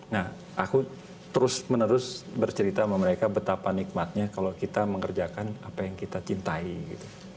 nah aku terus menerus bercerita sama mereka betapa nikmatnya kalau kita mengerjakan apa yang kita cintai gitu